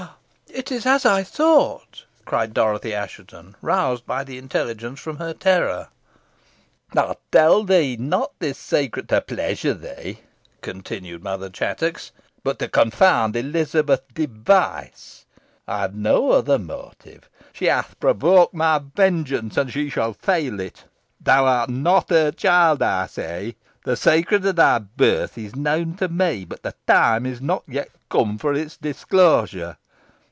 "It is as I thought," cried Dorothy Assheton, roused by the intelligence from her terror. "I tell thee not this secret to pleasure thee," continued Mother Chattox, "but to confound Elizabeth Device. I have no other motive. She hath provoked my vengeance, and she shall feel it. Thou art not her child, I say. The secret of thy birth is known to me, but the time is not yet come for its disclosure.